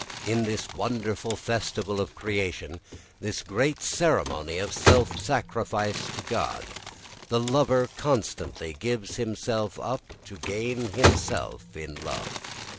In this wonderful festival of creation, this great ceremony of self sacrifice of God, the lover constantly gives himself up to gain himself in love.